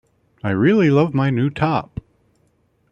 I really love my new top!